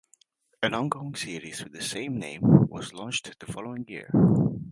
An ongoing series with the same name was launched the following year.